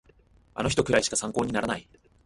あの人くらいしか参考にならない